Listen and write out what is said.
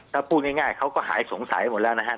ถ้าพูดง่ายเขาก็หายสงสัยหมดแล้วนะครับ